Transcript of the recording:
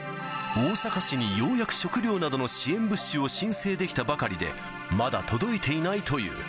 大阪市にようやく食料などの支援物資を申請できたばかりで、まだ届いていないという。